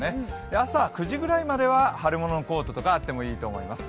朝９時ぐらいまでは春物のコートとか合った方がいいかもしれません。